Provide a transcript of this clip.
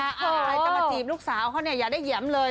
ถ้าใครจะมาจีบลูกสาวเขาเนี่ยอย่าได้เหยียมเลย